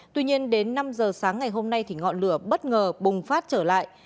tuy nhiên đến năm h sáng ngày hôm nay ngọn lửa bất ngờ bùng phát trở lại